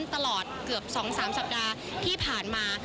ตลอดเกือบ๒๓สัปดาห์ที่ผ่านมา